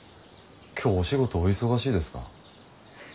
今日お仕事お忙しいですか？